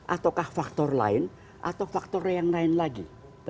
ataukah faktor lain atau faktor yang lain lagi